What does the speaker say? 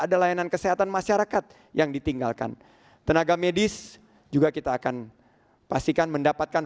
ada layanan kesehatan masyarakat yang ditinggalkan tenaga medis juga kita akan pastikan mendapatkan